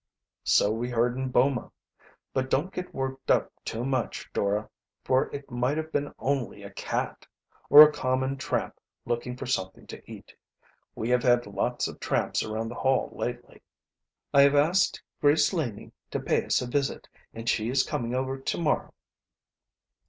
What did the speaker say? "So we heard in Boma. But don't get worked up too much, Dora, for it might have been only a cat, or a common tramp looking for something to eat. We have had lots of tramps around the Hall lately." "I have asked Grace Laning to pay us a visit, and she is coming over to morrow."